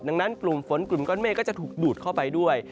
ดังนั้นกลุ่มฝนกลุ่มก้อนเมฆก็จะถูกดูดเข้าไปด้วย